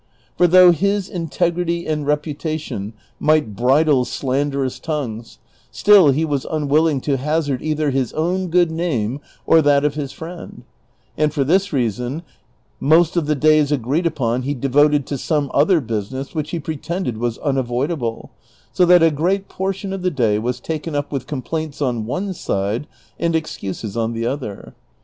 For though his integrity and reputation mio ht bridle slanderous tong^ues, still he was unwillino; to hazard cither his own good name or that of his friend ; and for this reason most of the days agreed upon he devoted to some other business which he pretended was unavoidable ; so that a great portion of the day was taken up with complaints on one side and excuses on the other.